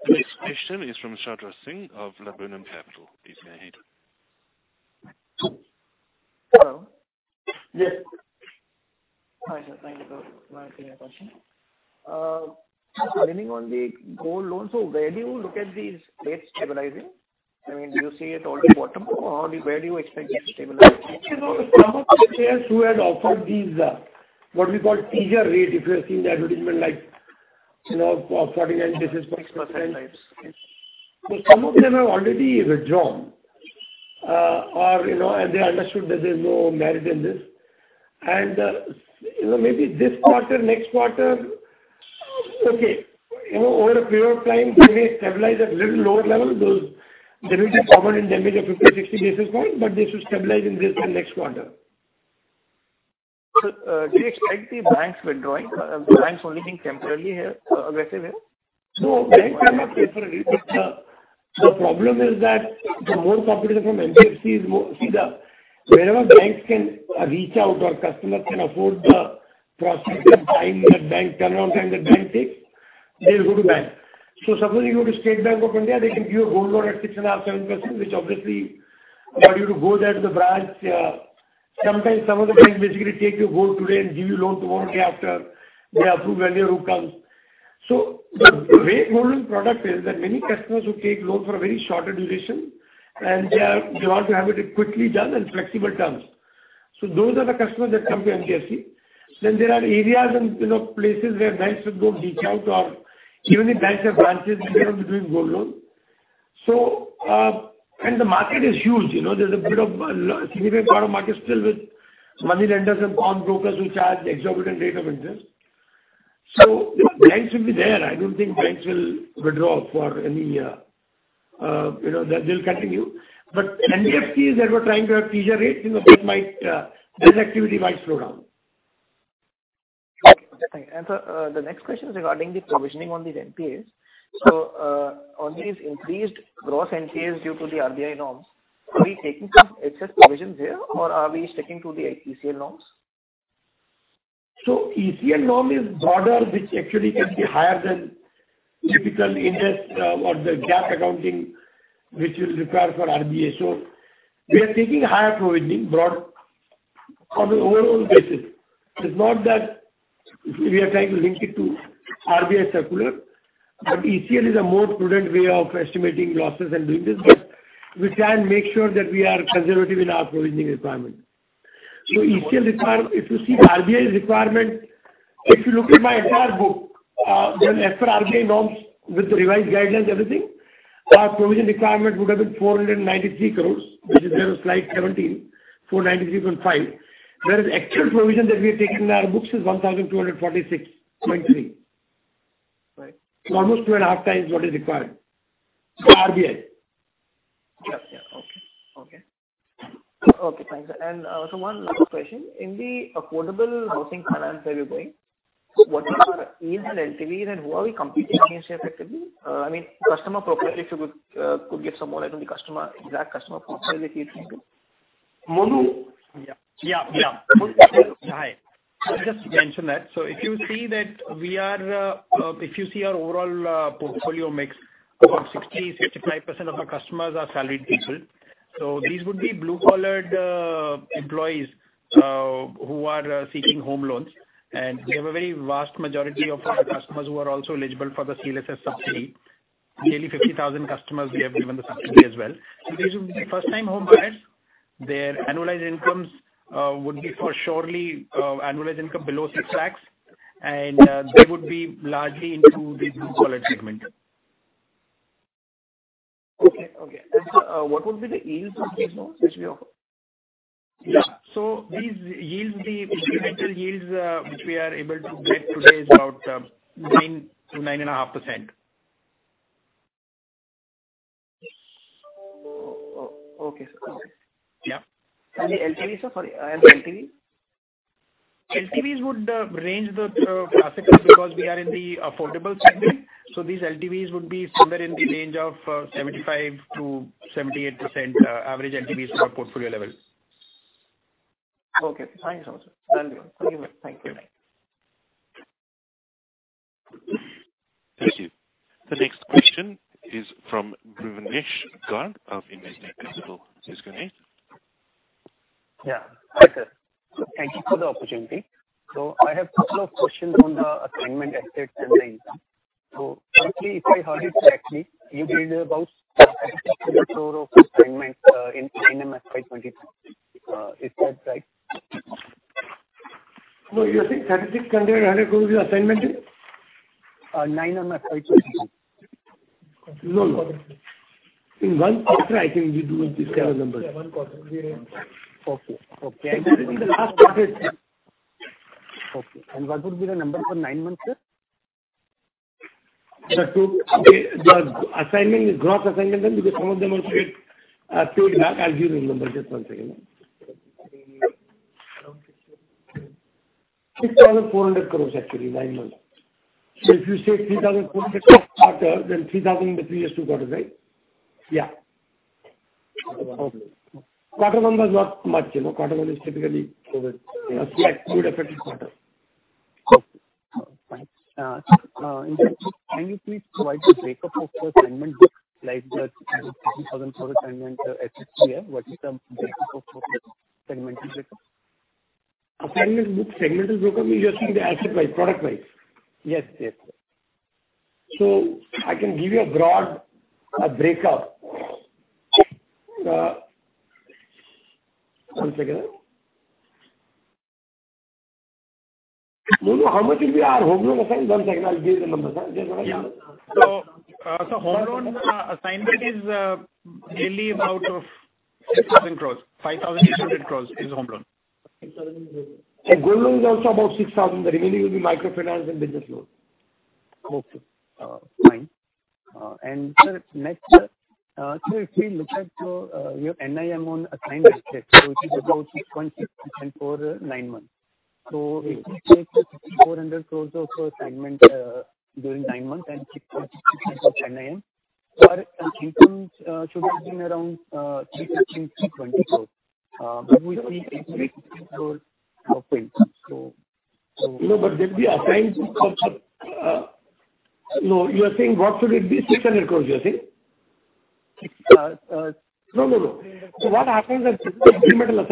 S4: The next question is from Sharad Singh of Libord Capital. Please go ahead.
S13: Hello.
S2: Yes.
S13: Hi, sir. Thank you for taking my question. Leaning on the gold loans, where do you look at these rates stabilizing? I mean, do you see it already bottom or where do you expect it to stabilize?
S2: Some of the players who had offered these, what we call teaser rate, if you have seen the advertisement like, you know, 49 basis points percent. Some of them have already withdrawn, you know, and they understood that there's no merit in this. You know, maybe this quarter, next quarter, you know, over a period of time they may stabilize at little lower level. There is a covenant damage of 50, 60 basis points, but they should stabilize in this and next quarter.
S13: Sir, do you expect the banks withdrawing, banks only being temporarily here, aggressive here?
S2: No, banks are not tempering, but the problem is that the more competition from NBFCs, wherever banks can reach out or customers can afford the processing time that bank turnaround time the bank takes, they'll go to bank. Suppose you go to State Bank of India, they can give you a home loan at 6.5%-7%, which obviously require you to go there to the branch. Sometimes some of the banks basically take your gold today and give you loan tomorrow or day after they approve and your loan comes. The way gold loan product is that many customers who take loan for a very shorter duration, and they want to have it quickly done and flexible terms. Those are the customers that come to NBFC. There are areas and, you know, places where banks don't reach out or even if banks have branches, they don't do gold loan. The market is huge, you know. A significant part of market still with money lenders and pawn brokers who charge exorbitant rate of interest. You know, banks will be there. I don't think banks will withdraw for any, you know. They'll continue. NBFCs that were trying to have easier rates, you know, that might, their activity might slow down.
S13: Right. Okay. Sir, the next question is regarding the provisioning on these NPAs. On these increased gross NPAs due to the RBI norms, are we taking some excess provisions there or are we sticking to the ECL norms?
S2: ECL norm is broader, which actually can be higher than typical interest, or the GAAP accounting which is required for RBI. We are taking higher provisioning broadly on an overall basis. It's not that we are trying to link it to RBI circular, but ECL is a more prudent way of estimating losses and doing this. We can make sure that we are conservative in our provisioning requirement. If you see RBI's requirement, if you look at my entire book, then as per RBI norms with the revised guidelines, everything, our provision requirement would have been 493 crore, which is there on slide 17, 493.5. Whereas actual provision that we have taken in our books is 1,246.3 crore.
S13: Right.
S2: Almost 2.5 times what is required for RBI.
S13: One last question. In the affordable housing finance where you're going, what is the yields and LTV and who are we competing against effectively? I mean, customer profile, if you could give some more around the customer, exact customer profile that you're catering to.
S2: Monu?
S7: Yeah.
S2: Monu can-
S7: Hi. I'll just mention that. If you see our overall portfolio mix, about 65% of our customers are salaried people. These would be blue-collared employees who are seeking home loans. We have a very vast majority of our customers who are also eligible for the CLSS subsidy. Nearly 50,000 customers we have given the subsidy as well. These would be first time home buyers. Their annualized incomes would be surely below 6 lakhs, and they would be largely into the blue-collared segment.
S13: Okay. Sir, what would be the yields on these loans which we offer?
S7: Yeah. These yields, the incremental yields, which we are able to get today is about 9%-9.5%. Okay, sir. Okay.
S14: Yeah.
S13: The LTV, sir? Sorry, LTV?
S7: LTVs would range typically because we are in the affordable segment. These LTVs would be somewhere in the range of 75%-78%, average LTVs for our portfolio levels.
S13: Okay. Thanks so much, sir. Thank you. Bye.
S4: Thank you. The next question is from Bhuvanesh Garg of Investment Principal. Yes, Bhuvanesh.
S15: Hi, sir. Thank you for the opportunity. I have a couple of questions on the assigned assets and the income. Firstly, if I heard it correctly, you did about 3,600 assigned in nine months FY 2023. Is that right?
S2: No, you are saying 3,600 assignment?
S15: nine months, FY 2023.
S2: No, no. In one quarter I think we do this kind of numbers.
S15: Okay. Okay.
S2: In the last quarter, yes.
S15: Okay. What would be the number for nine months, sir?
S2: The total gross assignment then because some of them are paid back. I'll give you the number. Just one second. INR 6,400 crores actually, nine months. If you say INR 3,400 quarter, then INR 3,000 into three is two quarters, right?
S15: Yeah.
S2: Quarter one was not much, you know. Quarter one is typically COVID, slightly affected quarter.
S15: Okay. All right. Can you please provide the breakup of the assignment book, like the 3,004 assignment FY 2022? What is the breakup of the segmental breakup?
S2: Asset book segmental breakup means you're seeing the asset wise, product wise.
S15: Yes. Yes.
S2: I can give you a broad breakup. One second. Monu, how much will be our home loan assignment? One second, I'll give you the numbers.
S7: Home loan amount is yearly about 6,000 crores. 5,800 crores is home loan.
S2: Gold loan is also about 6,000. The remaining will be microfinance and business loan.
S15: Okay. Fine. Sir, next, if we look at your NIM on assigned assets, which is about 6.6% for nine months. If we take the 6,400 crore of your assignment during nine months and 6.6% of NIM, your income should have been around 315 crore-320 crore. But we see 88 crore reported.
S2: No, you are saying what should it be? 600 crore, you're saying?
S15: Six, uh-
S2: No, no. What happens is assignment or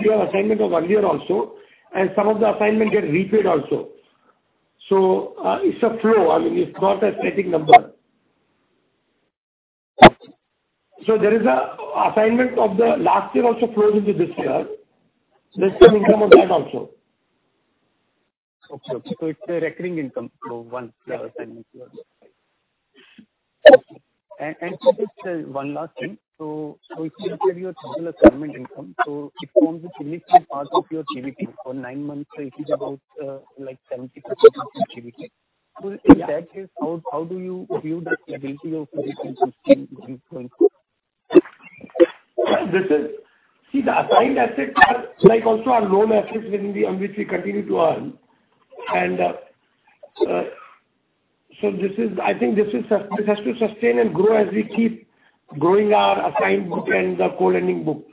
S2: your assignment was earlier also, and some of the assignment get repaid also. It's a flow. I mean, it's not a static number. There is a assignment of the last year also flows into this year. There's some income of that also.
S15: Okay. It's a recurring income. Sir, just one last thing. If we consider your total assignment income, so it forms a significant part of your NII. For nine months, it is about like 70% of NII. In that case, how do you view the stability of this income stream going forward?
S2: The assigned assets are like also our loan assets within the on which we continue to earn. This has to sustain and grow as we keep growing our assigned book and the co-lending book.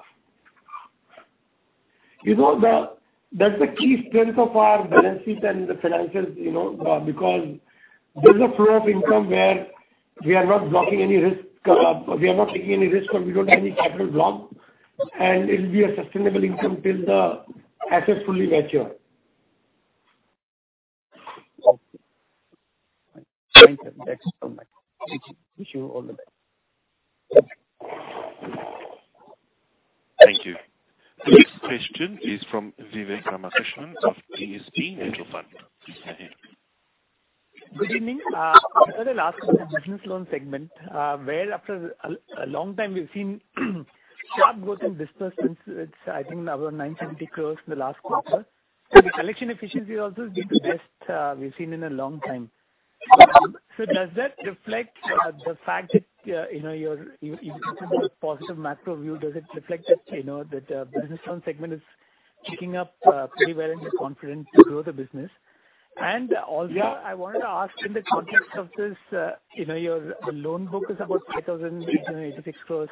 S2: You know, that's the key strength of our balance sheet and the financials, you know, because there's a flow of income where we are not blocking any risk, we are not taking any risk, or we don't have any capital block, and it'll be a sustainable income till the assets fully mature.
S15: Okay. Thanks so much. Wish you all the best.
S2: Thank you.
S4: Thank you. The next question is from Vivek Ramakrishnan of ESP Metrofund. Go ahead.
S16: Good evening. Sir, I'll ask on the business loan segment, where after a long time we've seen sharp growth in disbursements. It's, I think, around 970 crore in the last quarter. The collection efficiency has also been the best we've seen in a long time. Does that reflect the fact that, you know, you mentioned the positive macro view? Does it reflect that, you know, the business loan segment is kicking up pretty well and you're confident to grow the business? Also, I wanted to ask in the context of this, you know, your the loan book is about 5,886 crore,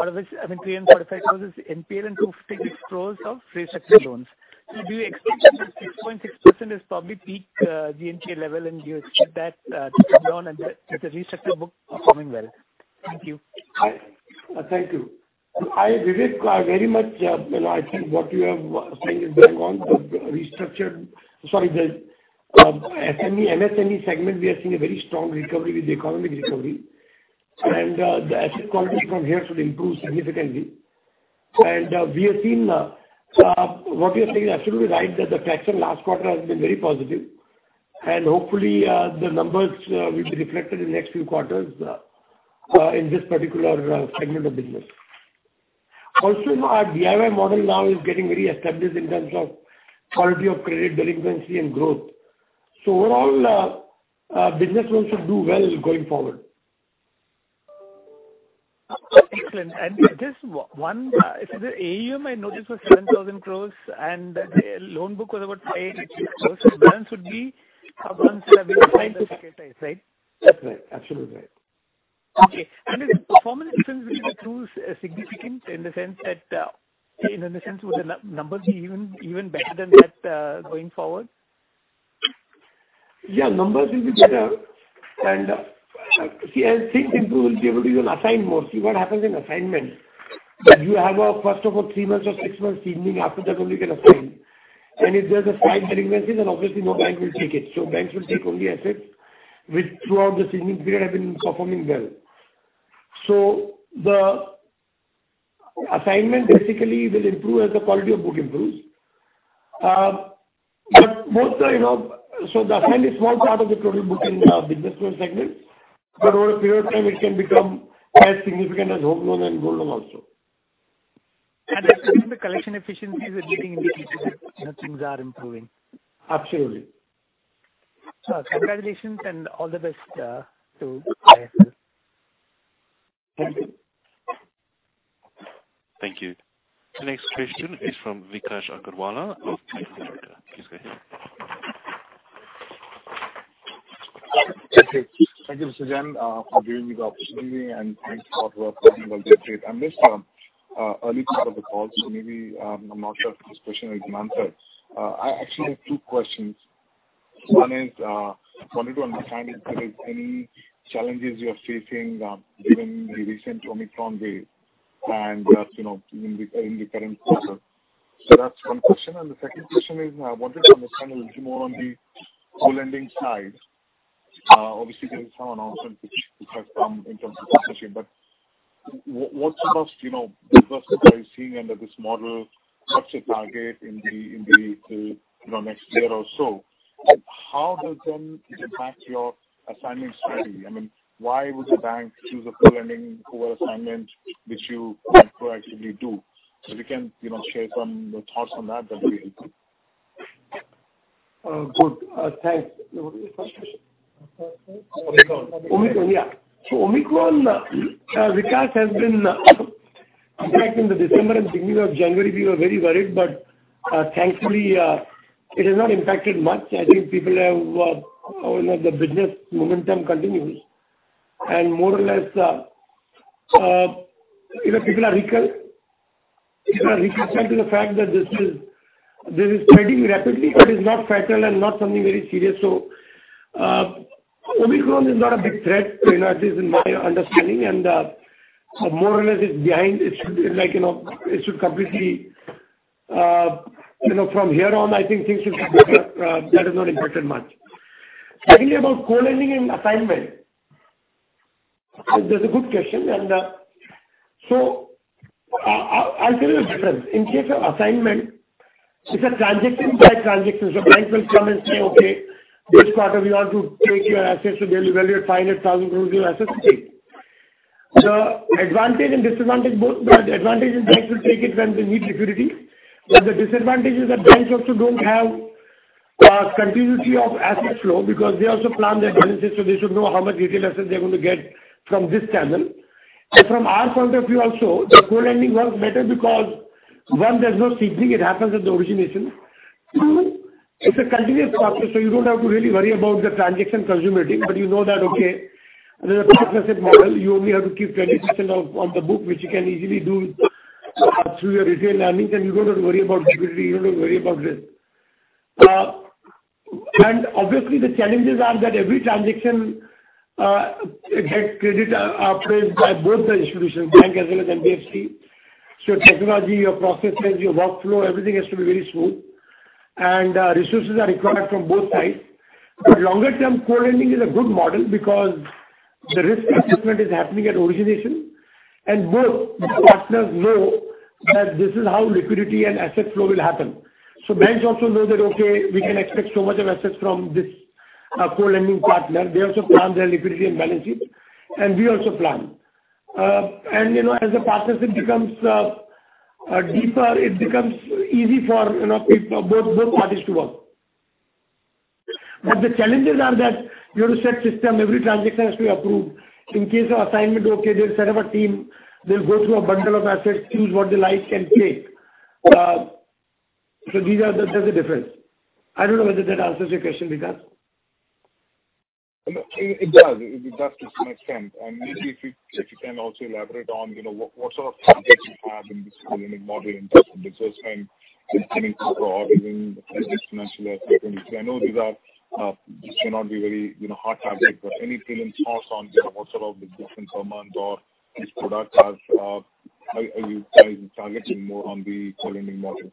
S16: out of which, I mean, 345 crore is NPL and 256 crore of restructured loans. Do you expect that the 6.6% is probably peak GNPA level and you expect that to come down and with the restructured book performing well? Thank you.
S2: Thank you. Vivek, very much, you know, I think what you are saying is very wrong. The SME, MSME segment, we are seeing a very strong recovery with the economic recovery. The asset quality from here should improve significantly. We have seen what you are saying is absolutely right, that the traction last quarter has been very positive. Hopefully, the numbers will be reflected in next few quarters in this particular segment of business. Also, our DIY model now is getting very established in terms of quality of credit, delinquency, and growth. Overall, business loans should do well going forward.
S16: Excellent. Just one, the AUM I noticed was 7,000 crore and the loan book was about 580 crore. The balance would be amounts that have been assigned to securitize, right?
S2: That's right. Absolutely right.
S16: Okay. Is the performance difference really improves significant in the sense that would the new numbers be even better than that going forward?
S2: Yeah, numbers will be better. See, as things improve, we'll be able to even assign more. See, what happens in assignment, you have first of all three months or six months seasoning. After that only you can assign. If there's a slight delinquency then obviously no bank will take it. Banks will take only assets which throughout the seasoning period have been performing well. The assignment basically will improve as the quality of book improves. The assignment is small part of the total book in the business loan segment, but over a period of time it can become as significant as home loan and gold loan also.
S16: I assume the collection efficiencies are getting better as things are improving.
S2: Absolutely.
S16: Sir, congratulations and all the best to IIFL.
S2: Thank you.
S4: Thank you. The next question is from Vikash Agarwal of Credit Suisse. Please go ahead.
S17: Okay. Thank you, Mr. Jain, for giving me the opportunity, and thanks a lot. I missed the early part of the call, so maybe I'm not sure if this question is answered. I actually have two questions. One is I wanted to understand if there is any challenges you are facing, given the recent Omicron wave and, you know, in the current quarter. That's one question. The second question is I wanted to understand a little more on the co-lending side. Obviously there is some announcement which has come in terms of positioning, but what's the most business that you are seeing under this model? What's your target in the next year or so? And how does them impact your assignment strategy? I mean, why would the bank choose a co-lending over assignment, which you quite proactively do? If you can, you know, share some thoughts on that would be helpful.
S2: Good. Thanks. What was the first question?
S17: Omicron.
S2: Omicron. Yeah. Omicron has been impacting December and the beginning of January. We were very worried, but thankfully it has not impacted much. I think people have you know the business momentum continues and more or less you know people are reconciled to the fact that this is spreading rapidly, but it's not fatal and not something very serious. Omicron is not a big threat you know. This is my understanding and more or less it's behind. It should be like you know it should completely you know from here on I think things should be better. That has not impacted much. Speaking about co-lending and assignment, that's a good question. I'll tell you the difference. In case of assignment, it's a transaction by transaction. Banks will come and say, "Okay, this quarter we want to take your assets, so they'll evaluate 500,000 your assets take." The advantage and disadvantage both. The advantage is banks will take it when they need liquidity, but the disadvantage is that banks also don't have continuity of asset flow because they also plan their balances, so they should know how much retail assets they're going to get from this channel. From our point of view also, the co-lending works better because, one, there's no seasoning. It happens at the origination. Two, it's a continuous process, so you don't have to really worry about the transaction consummating. You know that, okay, under the partnership model, you only have to keep 20% of on the book, which you can easily do through your retail earnings, and you don't have to worry about liquidity, you don't have to worry about risk. Obviously the challenges are that every transaction, it has credit placed by both the institutions, bank as well as NBFC. Technology, your processes, your workflow, everything has to be very smooth. Resources are required from both sides. Longer term co-lending is a good model because the risk assessment is happening at origination, and both the partners know that this is how liquidity and asset flow will happen. Banks also know that, okay, we can expect so much of assets from this co-lending partner. They also plan their liquidity and balance sheet, and we also plan. You know, as the partnership becomes deeper, it becomes easy for, you know, both parties to work. The challenges are that you have to set system, every transaction has to be approved. In case of assignment, they'll set up a team, they'll go through a bundle of assets, choose what they like and take. So these are the, there's a difference. I don't know whether that answers your question, Vikas.
S17: No, it does. It does to some extent. Maybe if you can also elaborate on, you know, what sort of sub-sectors you have in this co-lending model in terms of disbursement, income profiles or even the financial assets. I know these are, this may not be very, you know, hot topic, but any preliminary thoughts on, you know, what sort of different amount or which products are you targeting more on the co-lending model?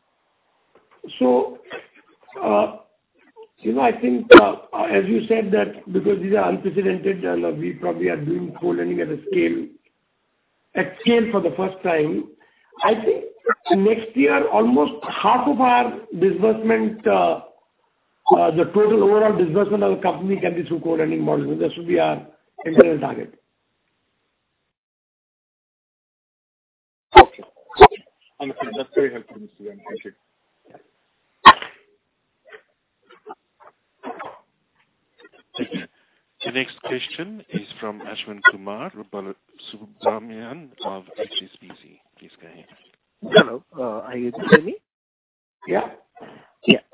S2: You know, I think, as you said that because these are unprecedented, we probably are doing co-lending at a scale for the first time. I think next year, almost half of our disbursement, the total overall disbursement of the company can be through co-lending model. That should be our internal target.
S17: Okay. That's very helpful, Mr. Venkataraman. Thank you.
S4: Thank you. The next question is from Ashwin Kumar, Rupal Subramanian of HSBC. Please go ahead.
S18: Hello. Are you listening?
S2: Yeah.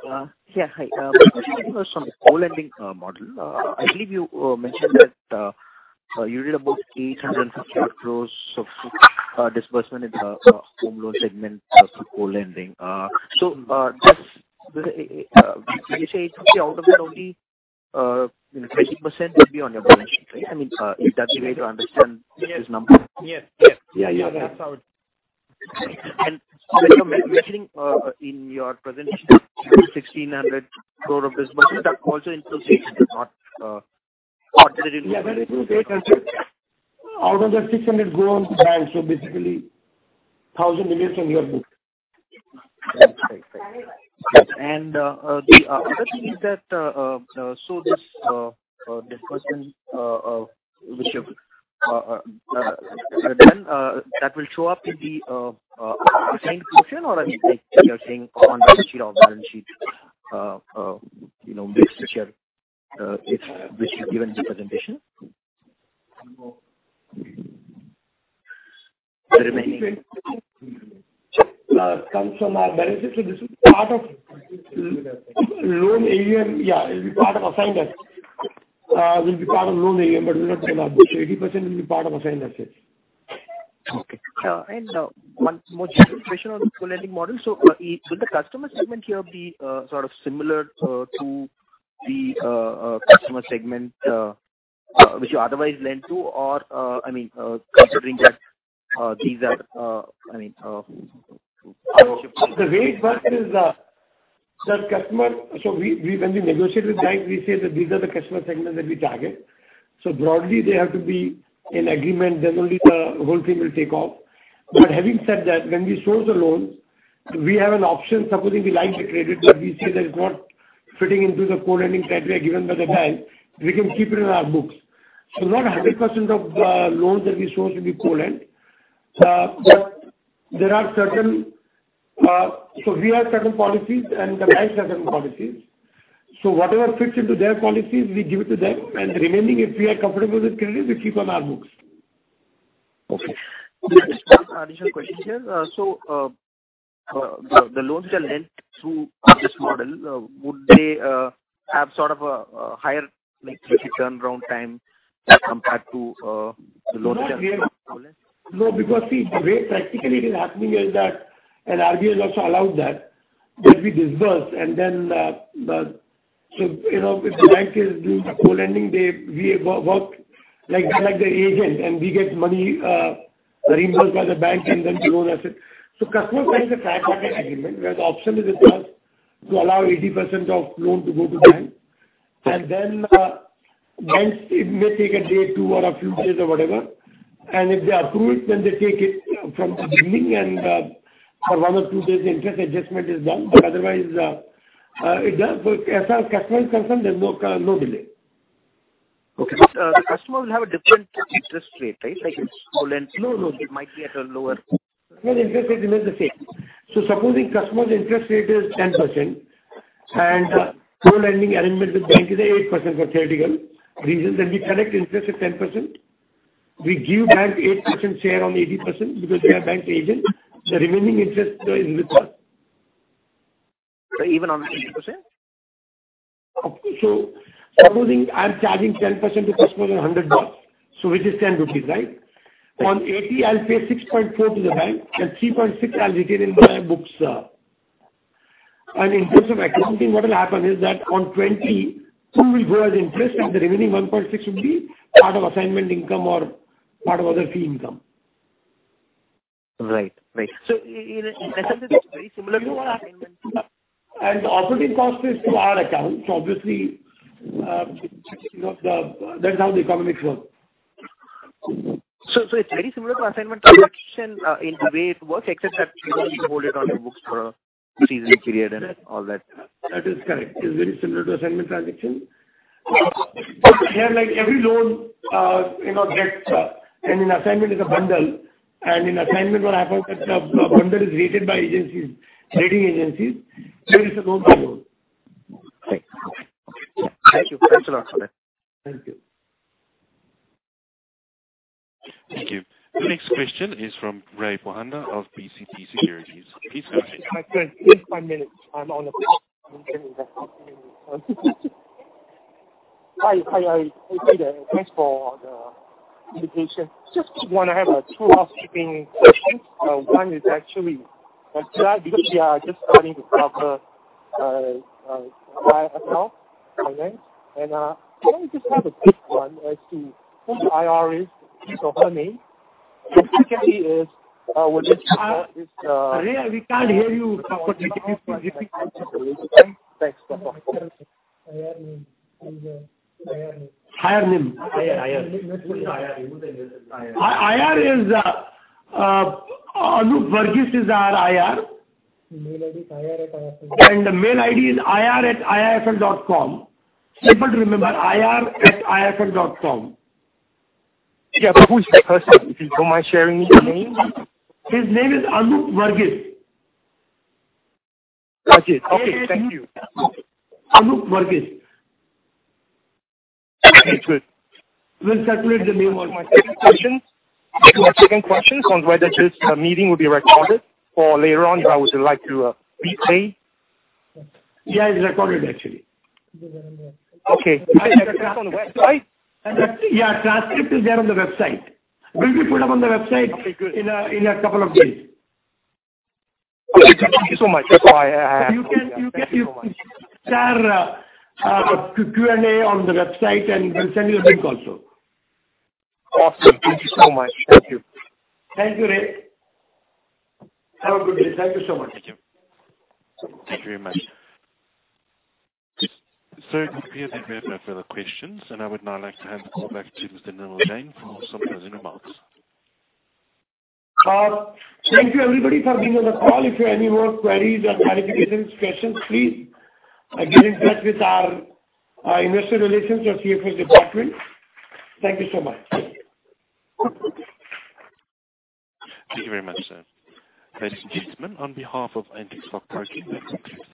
S18: My first question was on the co-lending model. I believe you mentioned that you did about 850 crores of disbursement in the home loan segment through co-lending. When you say 80 out of that only, you know, 20% will be on your balance sheet, right? I mean, if that's the way to understand-
S2: Yes.
S18: this number.
S2: Yes. Yeah. That's how it.
S18: When you're mentioning in your presentation 1,600 crore disbursement, that also includes 800 crore participated.
S2: Yeah. That includes 800. Out of that 600 grow on to bank. Basically 1,000 million from your book.
S18: Right. The other thing is that, so this disbursement which you've done that will show up in the assigned portion or, I mean, like you're saying on balance sheet, off balance sheet, you know, mix which you have, which you've given in the presentation. The remaining
S2: Comes from our balance sheet. This is part of loan AUM. Yeah, it'll be part of assigned assets. Will be part of loan AUM, but will not be on our books. 80% will be part of assigned assets.
S18: Okay. One more general question on the co-lending model. The customer segment here would be sort of similar to the customer segment which you otherwise lend to or, I mean, considering that, these are, I mean,
S2: The way it works is, when we negotiate with banks, we say that these are the customer segments that we target. Broadly, they have to be in agreement, then only the whole thing will take off. Having said that, when we source a loan, we have an option. Supposing we like the credit, but we say that it's not fitting into the co-lending criteria given by the bank, we can keep it in our books. Not 100% of loans that we source will be co-lend. We have certain policies and the bank has certain policies. Whatever fits into their policies, we give it to them. The remaining, if we are comfortable with the credit, we keep on our books.
S18: Okay. Just one additional question here. The loans that are lent through this model would they have sort of a higher like risky turnaround time as compared to the loans that
S2: No, because see, the way practically it is happening is that RBI has also allowed that we disburse and then you know, if the bank is doing the co-lending, we work like the agent, and we get money reimbursed by the bank and then loan as is. Customer signs a tripartite agreement where the option is with us to allow 80% of the loan to go to the bank. Then, the bank, it may take a day, two, or a few days or whatever, and if they approve, then they take it from the beginning, and for one or two days the interest adjustment is done. Otherwise, it does. As the customer is concerned, there's no delay.
S18: Okay. The customer will have a different interest rate, right? Like if co-lending
S2: No, no.
S18: It might be at a lower.
S2: Customer interest rate remains the same. Supposing customer's interest rate is 10% and co-lending arrangement with bank is at 8% for theoretical reasons, then we collect interest at 10%. We give bank 8% share on 80% because we are bank's agent. The remaining interest is with us.
S18: Even on the 80%?
S2: Supposing I'm charging 10% to customer on $100 bucks, which is 10 rupees, right?
S18: Right.
S2: On 80 I'll pay 6.4 to the bank and 3.6 I'll retain in my books. In terms of accounting, what will happen is that on 22 will go as interest and the remaining 1.6 will be part of assignment income or part of other fee income.
S18: Right. In essence it is very similar to our assignment income.
S2: The operating cost is to our account, so obviously, you know, the, that's how the economics work.
S18: It's very similar to assignment transaction in the way it works except that we won't hold it on our books for a seasoning period and all that.
S2: That is correct. It's very similar to assignment transaction. Here, like, every loan, you know, gets, and in assignment is a bundle, and in assignment what happens that the bundle is rated by agencies, rating agencies. Here it's a loan by loan.
S18: Thanks. Thank you. Thanks a lot for that.
S2: Thank you.
S4: Thank you. The next question is from Ray Bohanda of PCT Securities. Please go ahead.
S2: My friend, give me five minutes. I'm on a
S19: Hi. Thanks for the invitation. Just wanna have two housekeeping questions. One is actually because we are just starting to cover IIFL Finance and can we just have a quick one as to who the IR is, his or her name? Secondly is what is
S2: Ray, we can't hear you properly. Could you please repeat the question?
S19: Thanks for that.
S2: IR name.
S19: IR name.
S2: Higher name?
S19: IR.
S2: IR is Anup Verghese, our IR.
S19: Mail ID is IR at IIFL.
S2: The mail ID is IR at iifl.com. Simple to remember, ir at iifl.com.
S19: Yeah. Who is the person? Am I sharing his name?
S2: His name is Anup Verghese.
S19: Verghese. Okay, thank you.
S2: Anup Verghese.
S19: Okay, good.
S2: We'll circulate the mail also.
S19: My second question on whether this meeting will be recorded for later on if I would like to replay?
S2: Yeah, it's recorded actually.
S19: Okay. Is the transcript on the website?
S2: Yeah, the transcript is there on the website. It will be put up on the website.
S19: Okay, good.
S2: In a couple of days.
S19: Thank you so much. That's all I, yeah. Thank you so much.
S2: You can share Q&A on the website and we'll send you a link also.
S19: Awesome. Thank you so much. Thank you.
S2: Thank you, Ray. Have a good day. Thank you so much.
S19: Thank you.
S4: Thank you very much. It appears that we have no further questions, and I would now like to hand the call back to Mr. Nirmal Jain for some closing remarks.
S2: Thank you everybody for being on the call. If you have any more queries or clarifications, questions, please, get in touch with our investor relations or CFO's department. Thank you so much.
S4: Thank you very much, sir. Ladies and gentlemen, on behalf of NTS Stock Broking, that concludes this.